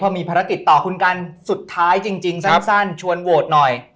พอมีภารกิจต่อคุณกันสุดท้ายจริงสั้นชวนโหวตหน่อย